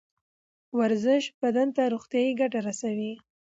ورزش بدن ته روغتیایی ګټه رسوي